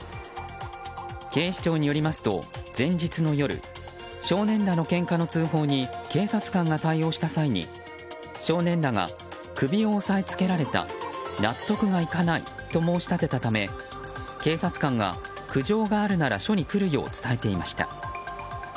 警視庁によりますと、前日の夜少年らのけんかの通報に警察官が対応した際に少年らが首を押さえつけられた納得がいかないと申し立てたため、警察官が苦情があるなら署に来るよう伝えていました。